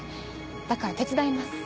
だから手伝います。